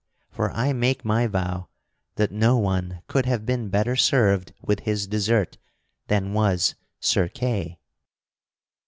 For I make my vow that no one could have been better served with his dessert than was Sir Kay."